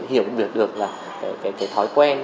hiểu được là cái thói quen